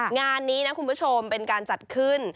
งานนี้นะคุณผู้ชมเป็นการจัดขึ้น